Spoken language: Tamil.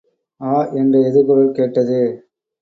ஆ! என்ற எதிர்க்குரல் கேட்டது.